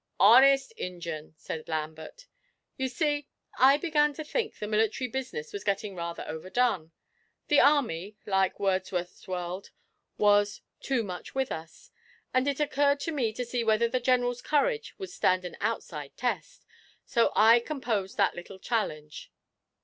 'Honest Injun!' said Lambert. 'You see, I began to think the military business was getting rather overdone; the army, like Wordsworth's world, was "too much with us," and it occurred to me to see whether the General's courage would stand an outside test so I composed that little challenge.